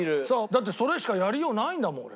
だってそれしかやりようないんだもん俺。